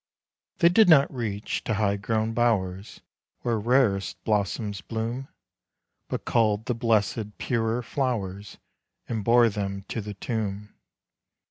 They did not reach to high grown bowers, Where rarest blossoms bloom; But culled the blessed, purer flowers, And bore them to the tomb.